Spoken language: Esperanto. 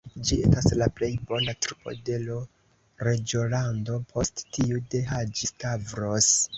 Ĝi estas la plej bona trupo de l' reĝolando, post tiu de Haĝi-Stavros.